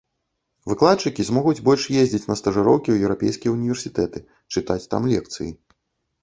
Выкладчыкі змогуць больш ездзіць на стажыроўкі ў еўрапейскія ўніверсітэты, чытаць там лекцыі.